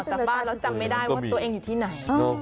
จากบ้านแล้วจำไม่ได้ว่าตัวเองอยู่ที่ไหน